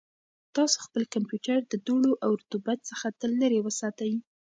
تاسو خپل کمپیوټر د دوړو او رطوبت څخه تل لرې وساتئ.